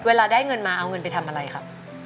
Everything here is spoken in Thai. เวลาได้เงินมาเอาเงินไปทำอะไรครับ